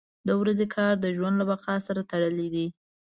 • د ورځې کار د ژوند له بقا سره تړلی دی.